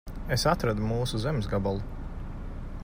Es atradu mūsu zemes gabalu.